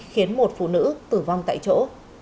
khiến một phụ nữ tử vong tại chỗ